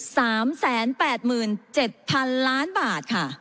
๓แสน๘หมื่น๗พันล้านบาทค่ะ